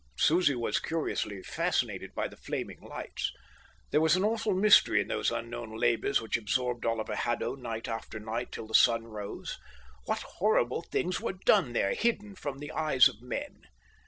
Susie was curiously fascinated by the flaming lights. There was an awful mystery in those unknown labours which absorbed Oliver Haddo night after night till the sun rose. What horrible things were done there, hidden from the eyes of men?